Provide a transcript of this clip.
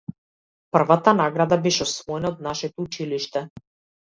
Првата награда беше освоена од нашето училиште.